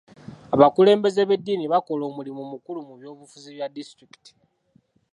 Abakulembeze b'eddiini bakola omulimu mukulu mu by'obufuzi bya disitulikiti.